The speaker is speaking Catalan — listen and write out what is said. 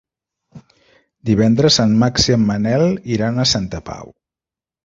Divendres en Max i en Manel iran a Santa Pau.